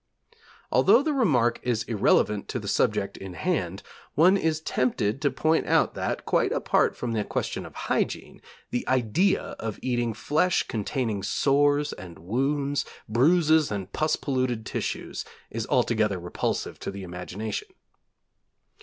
Although the remark is irrelevant to the subject in hand, one is tempted to point out that, quite apart from the question of hygiene, the idea of eating flesh containing sores and wounds, bruises and pus polluted tissues, is altogether repulsive to the imagination.